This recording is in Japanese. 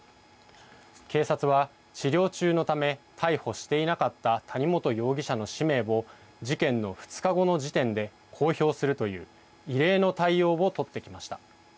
警察は、治療中のため逮捕していなかった谷本容疑者の氏名を事件の２日後の時点で公表するという異例の対応をとってきました。